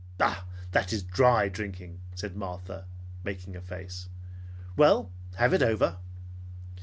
"Bah! That is dry drinking," said Martha, making a face. "Well, have it over!"